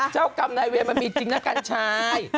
เจ้ากรรมนายเวรมันมีจริงนะกัญชัย